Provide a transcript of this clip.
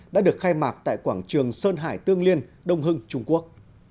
đã được khai mạc tại quảng trường sơn hải tương liên đông hưng trung quốc